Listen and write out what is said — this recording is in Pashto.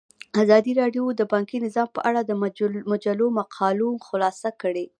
ازادي راډیو د بانکي نظام په اړه د مجلو مقالو خلاصه کړې.